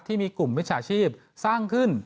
ที่มีกลุ่มมิจฉาชีพสร้างขึ้น